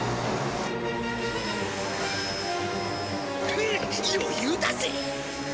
フンッ余裕だぜ！